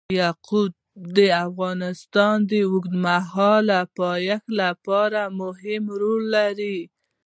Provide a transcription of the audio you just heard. یاقوت د افغانستان د اوږدمهاله پایښت لپاره مهم رول لري.